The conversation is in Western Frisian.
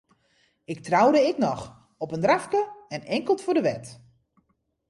Ik troude ek noch, op in drafke en inkeld foar de wet.